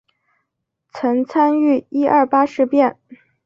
曾参与一二八事变。